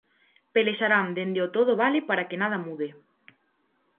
Pelexarán dende o todo vale para que nada mude.